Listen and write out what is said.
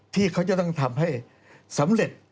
ที่เขาจะต้องทำให้สำเร็จ